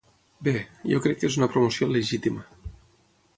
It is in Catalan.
Bé, jo crec que és una promoció legítima.